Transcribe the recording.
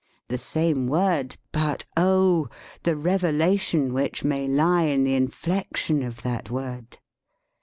The same word, but, oh, the reve lation which may lie in the inflection of that word!